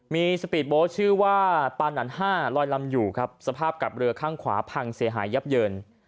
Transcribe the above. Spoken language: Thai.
มีสปีดโบสต์ชื่อว่าปานันห้าลอยลำอยู่ครับสภาพกับเรือข้างขวาพังเสียหายยับเยิน